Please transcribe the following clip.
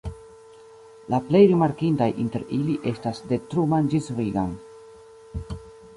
La plej rimarkindaj inter ili estas "De Truman ĝis Reagan.